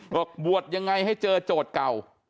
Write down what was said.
บอกบวชยังไงให้เจอโจทย์เก่า